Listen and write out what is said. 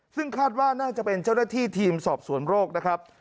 ซึ่งคาดว่าน่าจะเป็นเจ้าหน้าที่ทีมสอบสวนโรคนะครับ